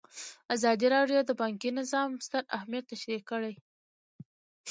ازادي راډیو د بانکي نظام ستر اهميت تشریح کړی.